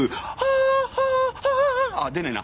あっ出ねえな。